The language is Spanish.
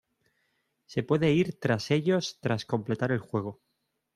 Se puede ir tras ellos tras completar el juego.